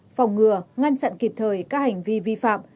phòng ngừa ngăn chặn kịp thời các hành vi vi phạm